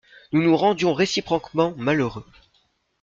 Nous nous rendions réciproquement malheureux.